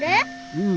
うん。